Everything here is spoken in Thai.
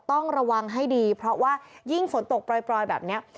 ต้องระวังให้ดีเพราะว่ายิ่งฝนตกปล่อยแบบนี้